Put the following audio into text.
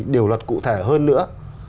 điều luật cụ thể hơn nữa